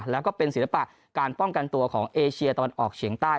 แล้วก็เป็นศิลปะการป้องกันตัวของเอเชียตะวันออกเฉียงใต้